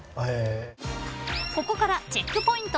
［ここからチェックポイント